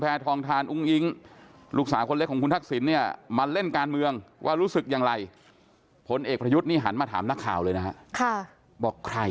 เอ้าผมลืมหรอครับ